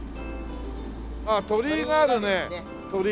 あっ鳥居があるね鳥居。